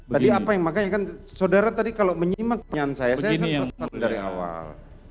tadi apa yang makanya kan saudara tadi kalau menyimak pernyataan saya saya akan pesan dari awal